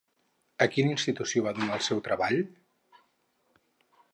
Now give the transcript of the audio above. A quina institució va donar el seu treball?